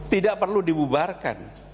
tidak perlu dibubarkan